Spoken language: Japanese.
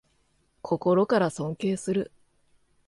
心から尊敬する